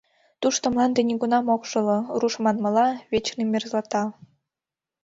Тушто мланде нигунам ок шуло, руш манмыла, вечный мерзлота.